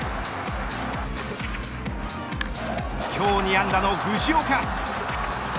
今日２安打の藤岡。